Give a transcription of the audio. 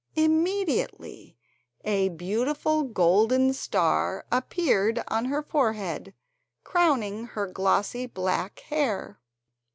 Immediately a beautiful golden star appeared on her forehead, crowning her glossy black hair.